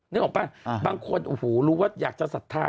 นึกออกมาบ้างบางคน